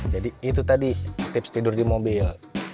jadi itu tadi tips tidur di mobil